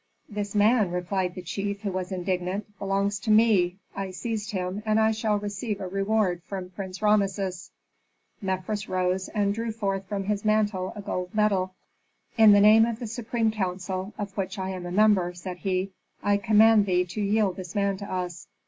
"This man," replied the chief, who was indignant, "belongs to me. I seized him and I shall receive a reward from Prince Rameses." Mefres rose and drew forth from under his mantle a gold medal. "In the name of the supreme council, of which I am a member," said he, "I command thee to yield this man to us.